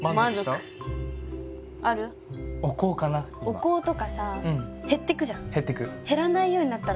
お香とかさ減ってくじゃん。減ってく。